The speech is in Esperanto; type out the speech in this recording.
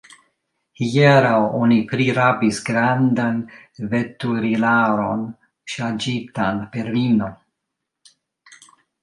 Hieraŭ oni prirabis grandan veturilaron, ŝarĝitan per vino.